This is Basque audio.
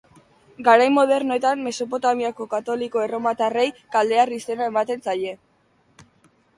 Garai modernoetan, Mesopotamiako katoliko erromatarrei kaldear izena ematen zaie.